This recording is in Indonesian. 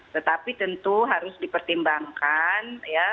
tetapi tentu harus dipertimbangkan